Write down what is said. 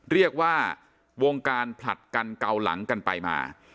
เรียกว่าวงการผลัดกันเกาหลังกันไปมา